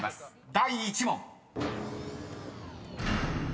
第１問］